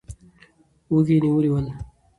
وږي یې نیولي ول.